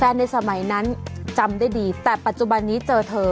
ในสมัยนั้นจำได้ดีแต่ปัจจุบันนี้เจอเธอ